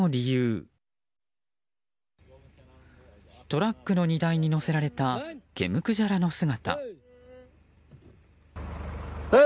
トラックの荷台に載せられた毛むくじゃらの姿。